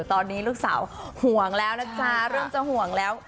ตอนนี้ลูกสาวห่วงแล้วนะจ๊ะเริ่มจะห่วงแล้ว